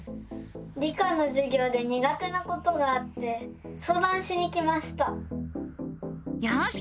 理科のじゅぎょうでにが手なことがあってそうだんしに来ました。